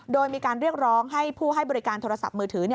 โดยมีการเรียกร้องให้ผู้ให้บริการโทรศัพท์มือถือ